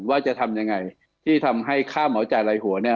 ว่าจะทำยังไงที่ทำให้ค่าเหมาจ่ายลายหัวเนี่ย